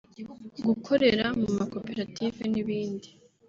gukorera mu ma koperative n’ibindi